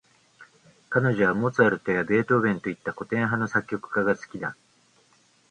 彼女はモーツァルトやベートーヴェンといった、古典派の作曲家が好きだ。